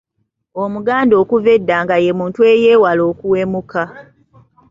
Omuganda okuva edda nga ye muntu eyeewala okuwemuka.